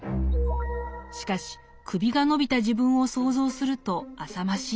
しかし首が伸びた自分を想像するとあさましい。